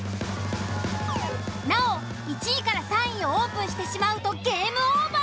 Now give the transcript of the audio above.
なお１位３位をオープンしてしまうとゲームオーバー。